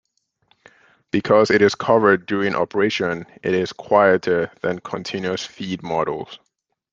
Because it is covered during operation, it is quieter than continuous feed models.